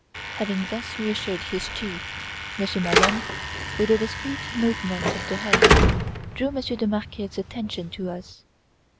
Having thus reassured his chief, Monsieur Maleine, with a discreet movement of the head, drew Monsieur de Marquet's attention to us.